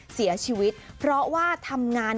เสียชีวิตเพราะว่าทำงาน